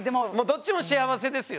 どっちも幸せですよ